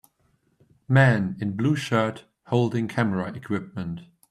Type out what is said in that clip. Man in blue shirt holding camera equipment.